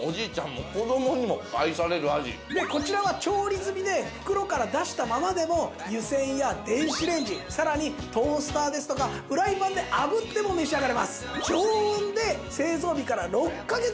こちらは調理済みで袋から出したままでも湯せんや電子レンジさらにトースターですとかフライパンであぶっても召し上がれます。